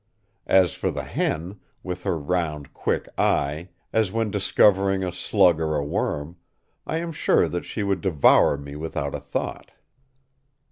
As for the hen, with her round, quick eye, as when discovering a slug or a worm, I am sure that she would devour me without a thought.